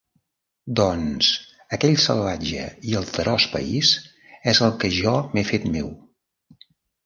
Doncs, aquell salvatge i alterós país és el que jo m'he fet meu…